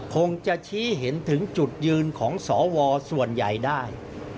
คงจะชี้เห็นถึงจุดยืนของสวส่วนใหญ่ได้